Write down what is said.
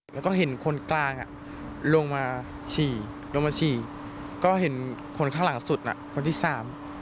แล้วก็เห็นคนกลางลงมาฉี่ก็เห็นคนข้างหลังสุดคนที่สาม